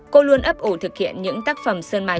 cô luôn ấp ủ thực hiện những tác phẩm sơn mài